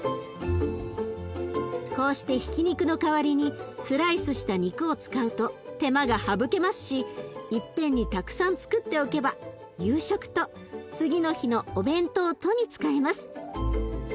こうしてひき肉の代わりにスライスした肉を使うと手間が省けますし一遍にたくさんつくっておけば夕食と次の日のお弁当とに使えます。